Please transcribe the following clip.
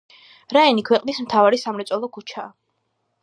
რაინი ქვეყნის „მთავარი სამრეწველო ქუჩაა“.